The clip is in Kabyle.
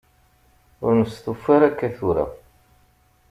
Ur nestufa ara akka tura.